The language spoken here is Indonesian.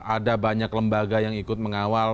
ada banyak lembaga yang ikut mengawal